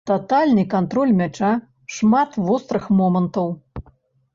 Татальны кантроль мяча, шмат вострых момантаў.